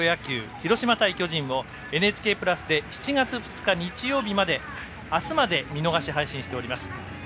広島対巨人を、ＮＨＫプラスで７月２日、日曜日まで明日まで見逃し配信しております。